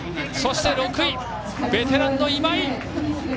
そして６位、ベテランの今井。